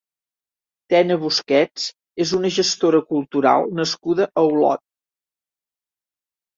Tena Busquets és una gestora cultural nascuda a Olot.